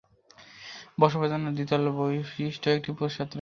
বসবাসের জন্য দ্বিতল বিশিষ্ট্য একটি প্রাসাদ রয়েছে।